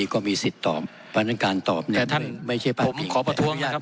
ก็มีสิทธิ์ตอบพันธุ์การตอบแต่ท่านไม่ใช่ผมขอประทรวงนะครับ